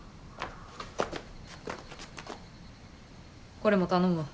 これも頼むわ。